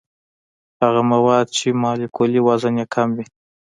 هغه مواد چې مالیکولي وزن یې کم وي.